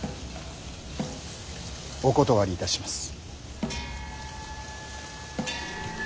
お断りいたします。